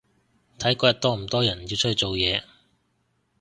睇嗰日多唔多人要出去做嘢